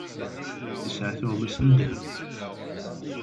Yesεa tuɣmas n ddheb.